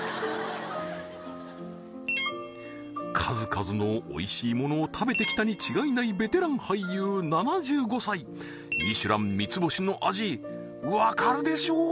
数々のおいしいものを食べてきたに違いないベテラン俳優７５歳ミシュラン三つ星の味わかるでしょ？